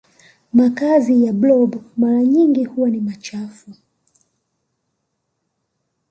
makazi ya blob mara nyingi huwa ni machafu